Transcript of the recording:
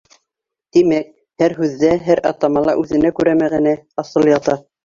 Тимәк, һәр һүҙҙә, һәр атамала үҙенә күрә мәғәнә, асыл ята.